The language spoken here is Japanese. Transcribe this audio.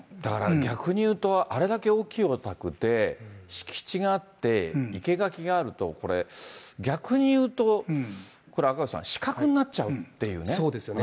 逆に言うと、あれだけ大きいお宅で、敷地があって、生け垣があると、これ、逆に言うと、これ赤星さん、そうですよね。